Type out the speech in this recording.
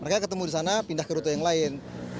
mereka ketemu di sana pindah ke rute yang lain